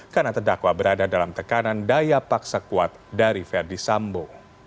karena terdakwa berada dalam tekanan daya paksa kuat dari verdi sambu